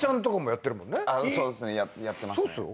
そうっすねやってますね。